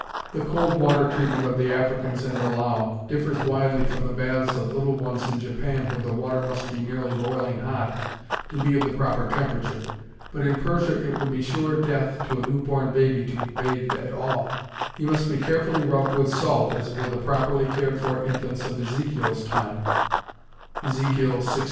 The cold water treatment of the Africans and the Lao differs widely from the baths of little ones in Japan where the water must be nearly boiling hot to be of the proper temperature. But in Persia it would be sure death to a newborn baby to be bathed at all, he must be carefully rubbed with salt as were the properly cared for infants of Ezekiel's time! (Ez. 16:4.)